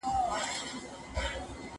کېدای سي خواړه خراب وي،